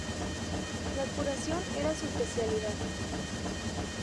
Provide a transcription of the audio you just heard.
La curación era su especialidad.